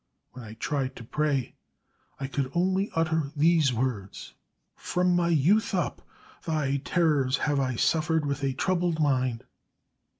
When I tried to pray I could only utter these words: "'From my youth up Thy terrors have I suffered with a troubled mind.'"